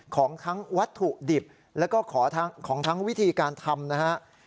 ของทั้งวัตถุดิบแล้วก็ของทั้งวิธีการทำนะฮะ